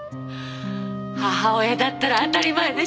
母親だったら当たり前でしょ。